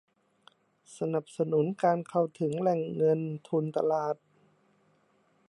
สนับสนุนการเข้าถึงแหล่งเงินทุนตลาด